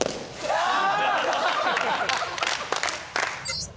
ああ！